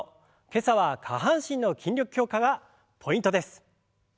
今朝は下半身の筋力強化がポイントです。